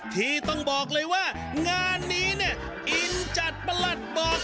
ที่ต้องบอกเลยว่างานนี้เนี่ยอินจัดประหลัดบอก